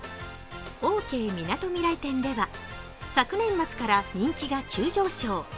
オーケーみなとみらい店では昨年末から人気が急上昇。